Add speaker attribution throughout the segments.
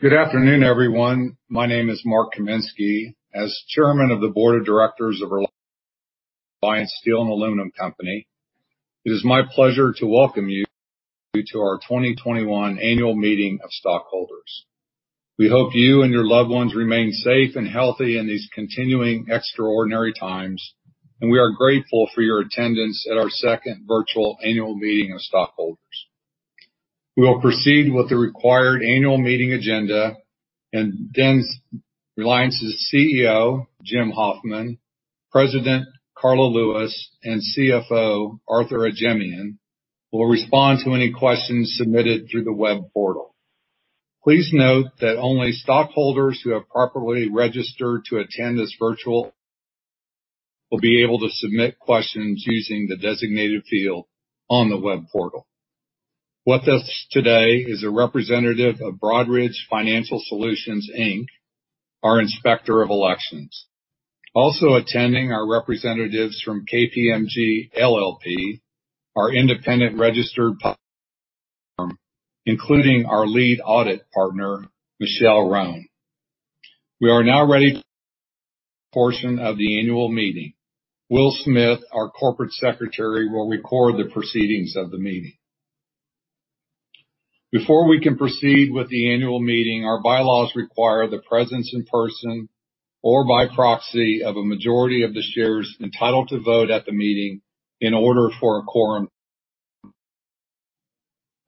Speaker 1: Good afternoon, everyone. My name is Mark V. Kaminski. As Chairman of the Board of Directors of Reliance Steel & Aluminum Co., it is my pleasure to welcome you to our 2021 Annual Meeting of Stockholders. We hope you and your loved ones remain safe and healthy in these continuing extraordinary times, and we are grateful for your attendance at our second virtual annual meeting of stockholders. We will proceed with the required annual meeting agenda, and then Reliance's CEO, Jim Hoffman, President Karla Lewis, and CFO, Arthur Ajemyan, will respond to any questions submitted through the web portal. Please note that only stockholders who have properly registered to attend this virtual will be able to submit questions using the designated field on the web portal. With us today is a representative of Broadridge Financial Solutions, Inc., our Inspector of Elections. Also attending are representatives from KPMG LLP, our independent registered including our Lead Audit Partner, Michelle Wroan. We are now ready for portion of the annual meeting. Will Smith, our Corporate Secretary, will record the proceedings of the meeting. Before we can proceed with the annual meeting, our bylaws require the presence in person or by proxy of a majority of the shares entitled to vote at the meeting in order for a quorum.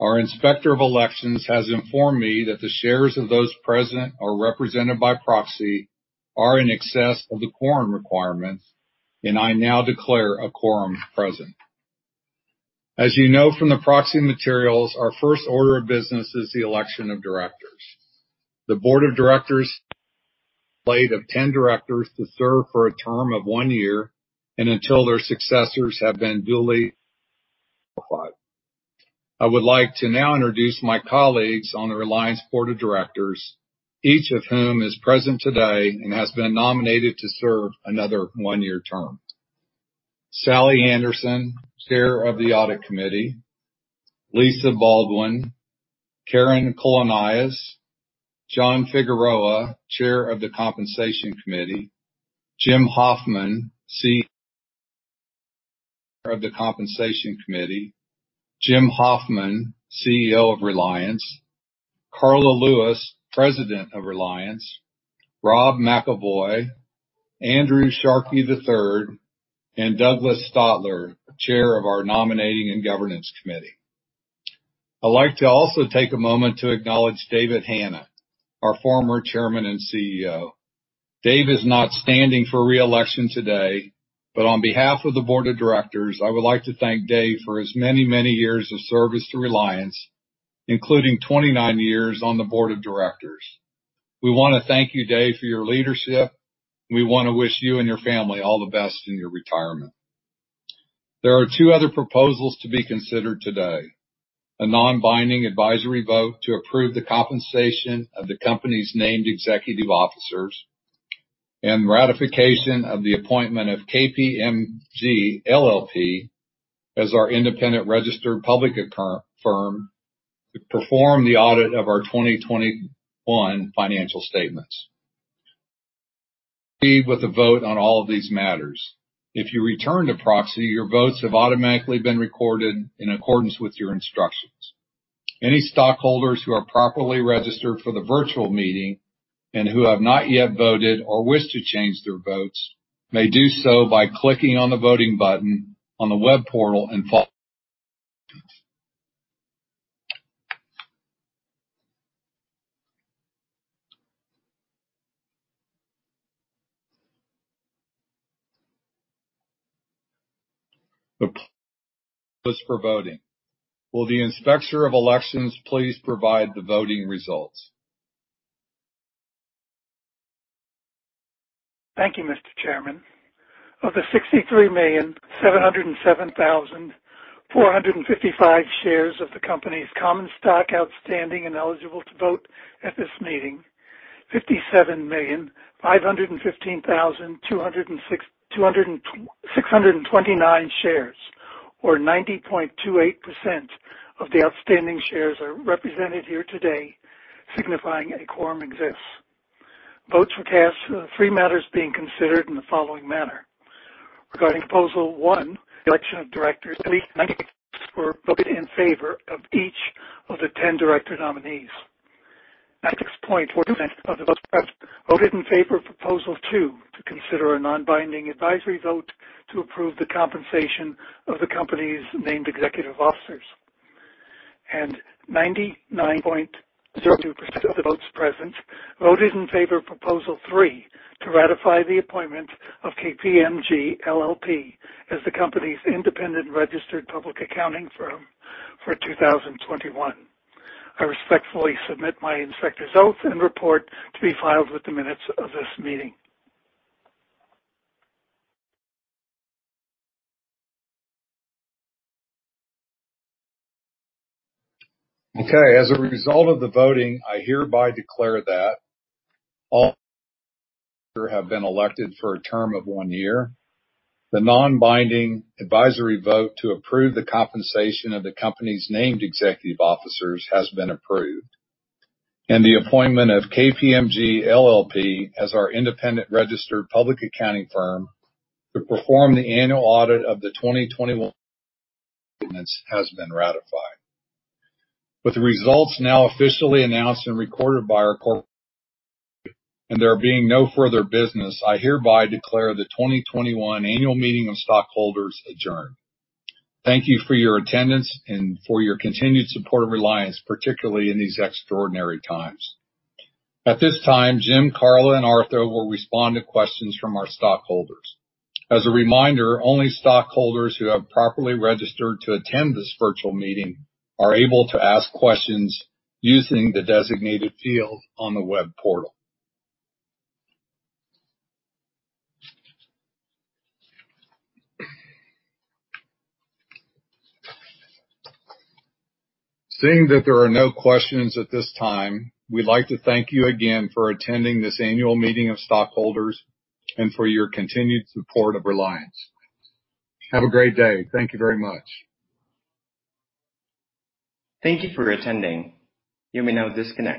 Speaker 1: Our Inspector of Elections has informed me that the shares of those present or represented by proxy are in excess of the quorum requirements. I now declare a quorum present. As you know from the proxy materials, our first order of business is the election of directors. The Board of Directors slate of 10 directors to serve for a term of one year and until their successors have been duly appointed. I would like to now introduce my colleagues on the Reliance board of directors, each of whom is present today and has been nominated to serve another one-year term. Sally Anderson, Chair of the Audit Committee, Lisa Baldwin, Karen Colonias, John Figueroa, Chair of the Compensation Committee, Jim Hoffman, CEO of Reliance, Karla Lewis, President of Reliance, Rob McEvoy, Andrew Sharkey, III, and Douglas Stotlar, Chair of our Nominating and Governance Committee. I'd like to also take a moment to acknowledge David Hannah, our former Chairman and CEO. Dave is not standing for re-election today. On behalf of the board of directors, I would like to thank Dave for his many, many years of service to Reliance, including 29 years on the board of directors. We want to thank you, Dave, for your leadership, and we want to wish you and your family all the best in your retirement. There are two other proposals to be considered today, a non-binding advisory vote to approve the compensation of the company's named executive officers, and ratification of the appointment of KPMG LLP as our independent registered public accounting firm to perform the audit of our 2021 financial statements, with a vote on all of these matters. If you returned a proxy, your votes have automatically been recorded in accordance with your instructions. Any stockholders who are properly registered for the virtual meeting and who have not yet voted or wish to change their votes may do so by clicking on the voting button on the web portal and follow for voting. Will the Inspector of Elections please provide the voting results?
Speaker 2: Thank you, Mr. Chairman. Of the 63,707,455 shares of the company's common stock outstanding and eligible to vote at this meeting, 57,515,629 shares, or 90.28% of the outstanding shares are represented here today, signifying a quorum exists. Votes were cast on the three matters being considered in the following manner. Regarding Proposal One, the election of directors, at least 90 were voted in favor of each of the 10 director nominees. 96.4% of the votes voted in favor of Proposal Two, to consider a non-binding advisory vote to approve the compensation of the company's named executive officers. 99.02% of the votes present voted in favor of Proposal Three, to ratify the appointment of KPMG LLP as the company's independent registered public accounting firm for 2021. I respectfully submit my Inspector's votes and report to be filed with the minutes of this meeting.
Speaker 1: Okay. As a result of the voting, I hereby declare that all have been elected for a term of one year, the non-binding advisory vote to approve the compensation of the company's named executive officers has been approved, and the appointment of KPMG LLP as our independent registered public accounting firm to perform the annual audit of the 2021 has been ratified. With the results now officially announced and recorded by our corporate and there being no further business, I hereby declare the 2021 annual meeting of stockholders adjourned. Thank you for your attendance and for your continued support of Reliance, particularly in these extraordinary times. At this time, Jim, Karla, and Arthur will respond to questions from our stockholders. As a reminder, only stockholders who have properly registered to attend this virtual meeting are able to ask questions using the designated field on the web portal. Seeing that there are no questions at this time, we'd like to thank you again for attending this annual meeting of stockholders and for your continued support of Reliance. Have a great day. Thank you very much.
Speaker 3: Thank you for attending. You may now disconnect.